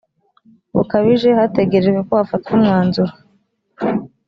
bukabije hategerejwe ko hafatwa umwanzuro